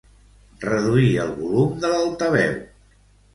Reduir el volum de l'altaveu.